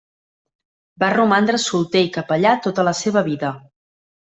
Va romandre solter i capellà tota la seva vida.